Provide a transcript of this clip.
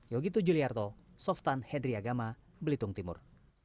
yogyakarta softan hedri agama blitung timur